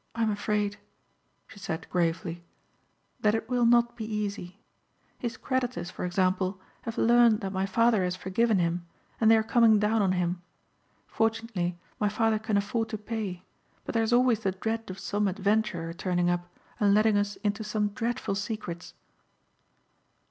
"I'm afraid," she said gravely, "that it will not be easy. His creditors for example have learned that my father has forgiven him and they are coming down on him. Fortunately my father can afford to pay but there is always the dread of some adventurer turning up and letting us into some dreadful secrets."